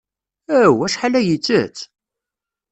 Aw! Acḥal ay ittett!